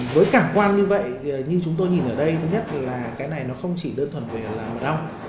với cảng quan như vậy như chúng tôi nhìn ở đây thứ nhất là cái này nó không chỉ đơn thuần về là bật ong